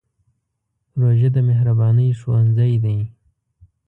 روژه د مهربانۍ ښوونځی دی.